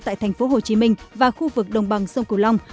tại thành phố hồ chí minh và khu vực đồng bằng sông cửu long